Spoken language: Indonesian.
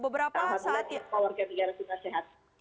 alhamdulillah warga negara juga sehat